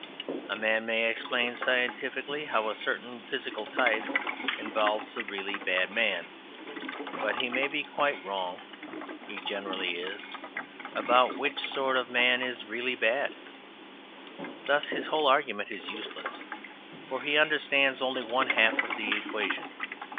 A man may explain scientifically how a certain physical type involves a really bad man, but he may be quite wrong (he generally is) about which sort of man is really bad. Thus his whole argument is useless, for he understands only one half of the equation.